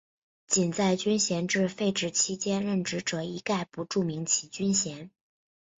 仅在军衔制废止期间任职者一概不注明其军衔。